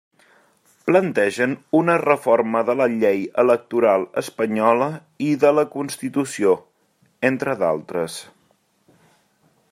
Plantegen una reforma de la llei electoral espanyola i de la Constitució, entre d'altres.